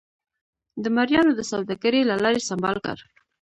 د مریانو د سوداګرۍ له لارې سمبال کړل.